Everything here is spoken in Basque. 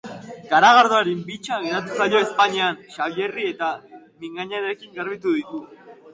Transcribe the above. Garagardoaren bitsa geratu zaio ezpainean Xabierri eta mingainarekin garbitu du.